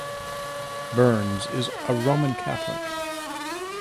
Burns is a Roman Catholic.